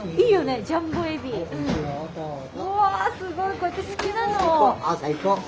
こうやって好きなのを。